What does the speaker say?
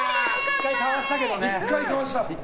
１回かわしたけどね。